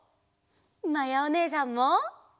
まやおねえさんも！